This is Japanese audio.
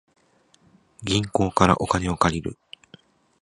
銀行からお金を借りる